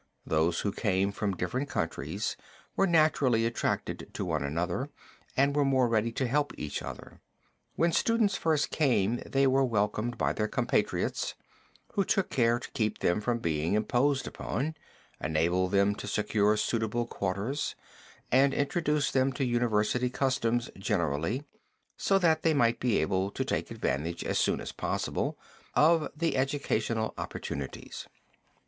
Those who came from different countries were naturally attracted to one another, and were more ready to help each other. When students first came they were welcomed by their compatriots who took care to keep them from being imposed upon, enabled them to secure suitable quarters and introduced them to university customs generally, so that they might be able to take advantage, as soon as possible, of the educational opportunities.